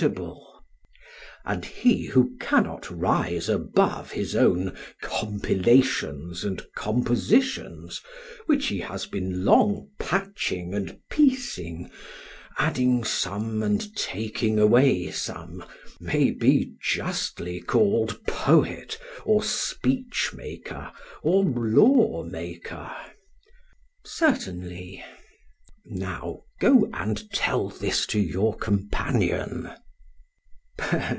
SOCRATES: And he who cannot rise above his own compilations and compositions, which he has been long patching and piecing, adding some and taking away some, may be justly called poet or speech maker or law maker. PHAEDRUS: Certainly. SOCRATES: Now go and tell this to your companion.